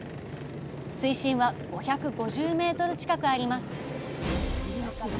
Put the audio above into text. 水深は５５０ｍ近くあります